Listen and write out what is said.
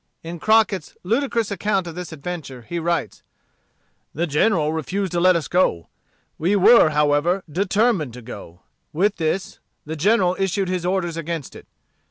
In Crockett's ludicrous account of this adventure, he writes: "The General refused to let us go. We were, however, determined to go. With this, the General issued his orders against it.